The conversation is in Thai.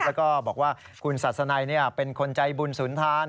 แล้วก็บอกว่าคุณศาสนัยเป็นคนใจบุญสุนทาน